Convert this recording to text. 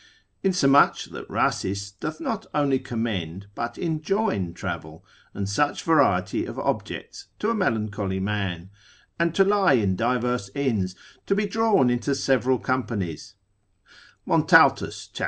Insomuch that Rhasis, cont. lib. 1. Tract. 2. doth not only commend, but enjoin travel, and such variety of objects to a melancholy man, and to lie in diverse inns, to be drawn into several companies: Montaltus, cap.